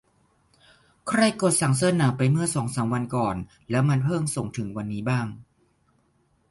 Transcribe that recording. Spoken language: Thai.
ใครกดสั่งเสื้อหนาวไปเมื่อสองสามวันก่อนแล้วมันเพิ่งส่งถึงวันนี้บ้าง